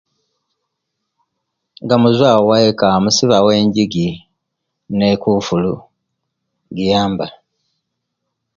Nga muvawo owaika musiba wo enjigi ne'kofulu giyamba